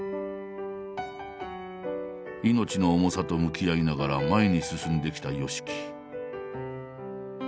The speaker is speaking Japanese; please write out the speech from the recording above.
命の重さと向き合いながら前に進んできたＹＯＳＨＩＫＩ。